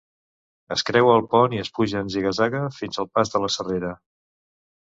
Es creua el pont i es puja en ziga-zaga fins al Pas de la Serrera.